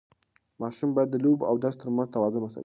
ماشوم باید د لوبو او درس ترمنځ توازن وساتي.